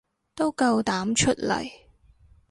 都夠膽出嚟